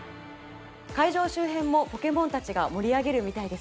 会場周辺もポケモンたちが盛り上げるみたいですね。